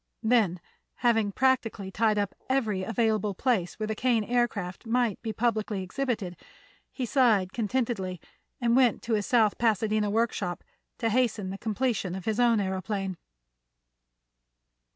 Then having practically tied up every available place where the Kane Aircraft might be publicly exhibited, he sighed contentedly and went to his South Pasadena workshop to hasten the completion of his own aëroplane.